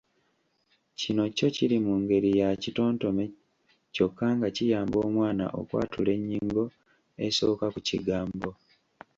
Kino kyo kiri mu ngeri ya kitontome kyokka nga kiyamba omwana okwatula ennyingo esooka ku bigambo.